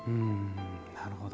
なるほど。